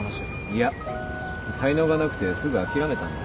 いや才能がなくてすぐ諦めたんだ。